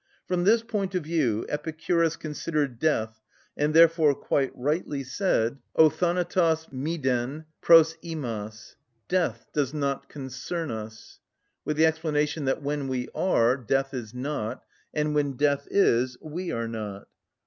From this point of view Epicurus considered death, and therefore quite rightly said, "ὁ θανατος μηδεν προς ἡμας" (Death does not concern us); with the explanation that when we are death is not, and when death is we are not (_Diog. Laert.